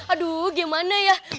aduh gimana ya